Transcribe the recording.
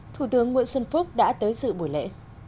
thủ tướng nguyễn xuân phúc đã tới dự buổi lễ